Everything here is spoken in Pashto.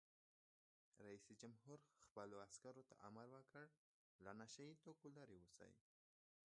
رئیس جمهور خپلو عسکرو ته امر وکړ؛ له نشه یي توکو لرې اوسئ!